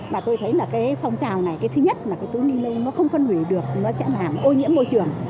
và tôi thấy là cái phong trào này cái thứ nhất là cái túi ni lông nó không phân hủy được nó sẽ làm ô nhiễm môi trường